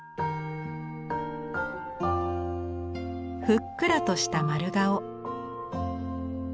ふっくらとした丸顔。